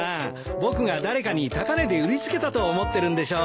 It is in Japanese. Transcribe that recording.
僕が誰かに高値で売りつけたと思ってるんでしょう。